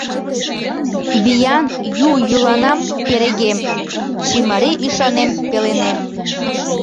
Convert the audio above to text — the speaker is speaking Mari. Виян Ю йӱланам перегем, Чимарий ӱшанем пеленем!